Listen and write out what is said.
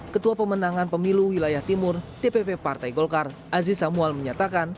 ketua pemenangan pemilu wilayah timur dpp partai golkar aziz samuel menyatakan